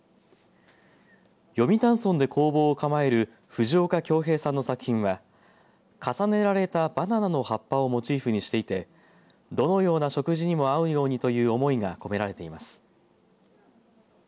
読谷村で工房を構える藤岡恭平さんの作品は重ねられたバナナの葉っぱをモチーフにしていてどのような食事にも合うようにという思いが込められています。